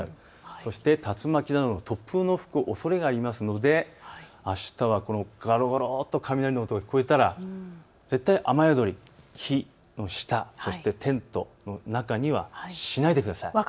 そして竜巻などの突風の吹くおそれがありますのであしたは、このゴロゴロと雷の音が聞こえたら絶対に雨宿、木の下、そしてテントの中には避難しないでください。